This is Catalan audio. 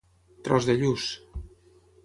Tros de lluç.